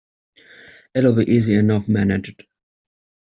It’ll be easy enough managed.